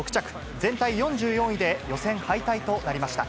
全体４４位で予選敗退となりまし